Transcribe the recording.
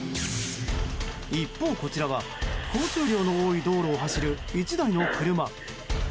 一方、こちらは交通量の多い道路を走る１台の車。